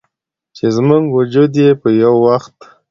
چې زموږ وجود یې په یوه وخت